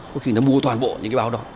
có khi người ta mua toàn bộ những cái báo đó